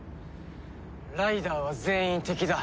ライダーは全員敵だ。